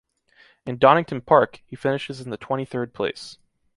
In Donington Park, he finishes in the twenty-third place.